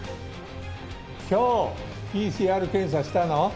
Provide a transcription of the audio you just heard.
今日ＰＣＲ検査したの？